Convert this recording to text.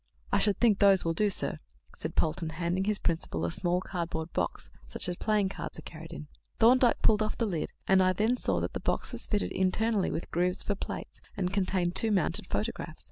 "I should think those will do, sir," said Polton, handing his principal a small cardboard box such as playing cards are carried in. Thorndyke pulled off the lid, and I then saw that the box was fitted internally with grooves for plates, and contained two mounted photographs.